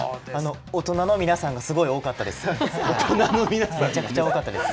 違うかったし、大人の皆さんがすごい多かったです。